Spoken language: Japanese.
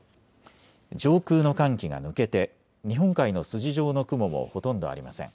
上空の寒気が抜けて日本海の筋状の雲もほとんどありません。